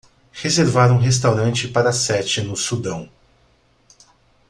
reservar um restaurante para sete no Sudão